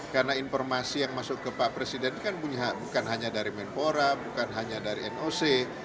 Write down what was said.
karena informasi yang masuk ke pak presiden kan bukan hanya dari menpora bukan hanya dari noc